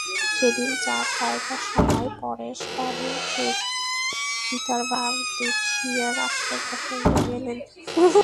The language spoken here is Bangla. সেদিন চা খাইবার সময় পরেশবাবু সুচরিতার ভাব দেখিয়া আশ্চর্য হইয়া গেলেন।